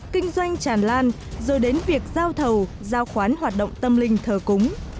kinh doanh tràn lan rồi đến việc giao thầu giao khoán hoạt động tâm linh thờ cúng